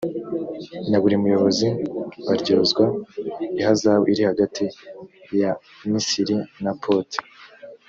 na buri muyobozi baryozwa ihazabu iri hagati yamisiri na pote